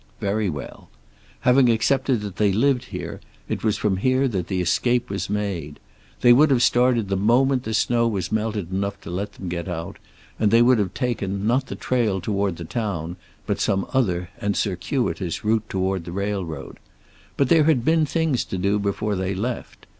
Very well. Having accepted that they lived here, it was from here that the escape was made. They would have started the moment the snow was melted enough to let them get out, and they would have taken, not the trail toward the town, but some other and circuitous route toward the railroad. But there had been things to do before they left.